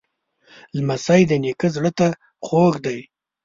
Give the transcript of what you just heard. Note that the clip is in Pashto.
لمسی د نیکه زړه ته خوږ دی.